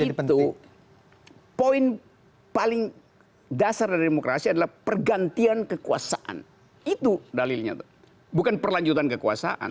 karena demokrasi itu poin paling dasar dari demokrasi adalah pergantian kekuasaan itu dalilnya tuh bukan perlanjutan kekuasaan